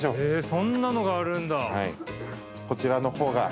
そんなのがあるんだ。